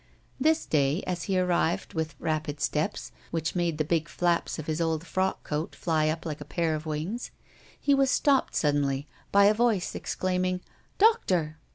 This day, as he arrived with rapid steps, which made the big flaps of his old frock coat fly up like a pair of wings, he was stopped suddenly by a voice exclaiming: "Doctor!"